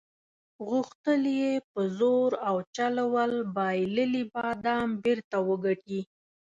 غوښتل یې په زور او چل ول بایللي بادام بیرته وګټي.